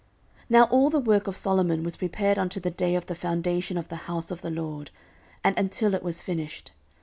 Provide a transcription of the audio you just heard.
14:008:016 Now all the work of Solomon was prepared unto the day of the foundation of the house of the LORD, and until it was finished.